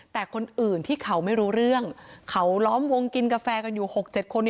แต่คนอื่นที่เขาไม่รู้เรื่องเขาล้อมวงกินกาแฟกันอยู่๖๗คน